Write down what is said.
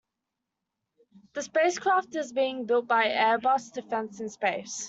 The spacecraft is being built by Airbus Defence and Space.